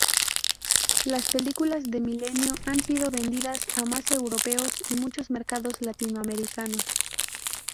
Las películas de Milenio han sido vendidas a más europeos y muchos mercados latinoamericanos.